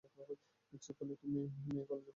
ইচ্ছে করলেই তুমি মেয়ে-কলেজে প্রোফেসারি নিতে পারবে।